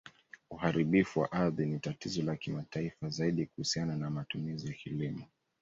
Uharibifu wa ardhi ni tatizo la kimataifa, zaidi kuhusiana na matumizi ya kilimo.